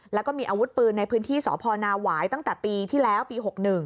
แล้วก็มีอาวุธปืนในพื้นที่สพนาหวายตั้งแต่ปีที่แล้วปี๖๑